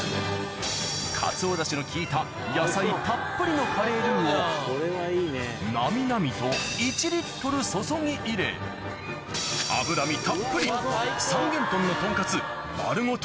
かつおダシの効いた野菜たっぷりのカレールーをなみなみと１注ぎ入れ脂身たっぷり三元豚のトンカツ丸ごと